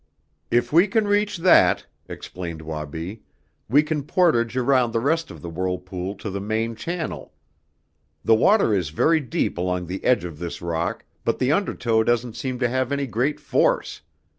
"If we can reach that," explained Wabi, "we can portage around the rest of the whirlpool to the main channel. The water is very deep along the edge of this rock, but the undertow doesn't seem to have any great force.